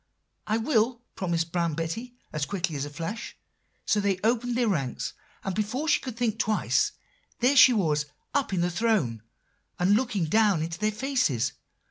"'I will,' promised Brown Betty as quick as a flash. So they opened their ranks; and before she could think twice, there she was up in the throne, and looking down into their faces.